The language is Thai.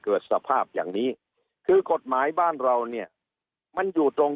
สภาพอย่างนี้คือกฎหมายบ้านเราเนี่ยมันอยู่ตรง